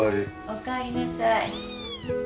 おかえりなさい。